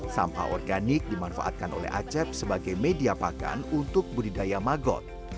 sampah organik dimanfaatkan oleh acep sebagai media pakan untuk budidaya magot